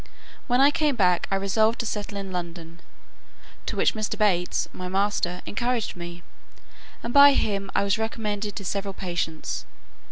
When I came back I resolved to settle in London; to which Mr. Bates, my master, encouraged me, and by him I was recommended to several patients.